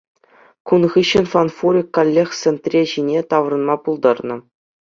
Кун хыҫҫӑн фанфурик каллех сентре ҫине таврӑнма пултарнӑ.